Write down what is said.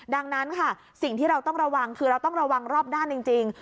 ดังนั้นค่ะสิ่งที่เราต้องระวังคือเราต้องระวังรอบด้านจริง